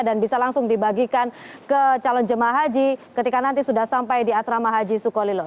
dan bisa langsung dibagikan ke calon jemaah haji ketika nanti sudah sampai di asrama haji sukolilo